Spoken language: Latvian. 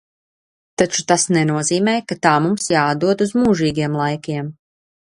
Taču tas nenozīmē, ka tā mums jāatdod uz mūžīgiem laikiem.